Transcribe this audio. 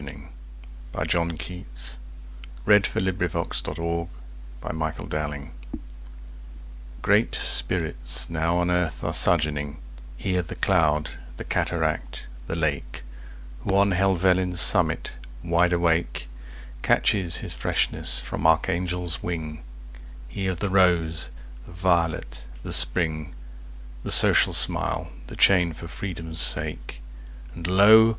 1909–14. John Keats 540. Great Spirits Now on Earth Are Sojourning GREAT spirits now on earth are sojourning; He of the cloud, the cataract, the lake, Who on Helvellyn's summit, wide awake, Catches his freshness from Archangel's wing; He of the rose, the violet, the spring, The social smile, the chain for Freedom's sake:And lo!